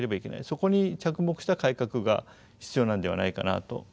そこに着目した改革が必要なんではないかなと思います。